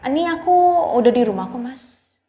nih aku udah dirumah kok mas